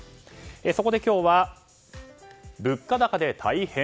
そこで今日は、物価高で大変？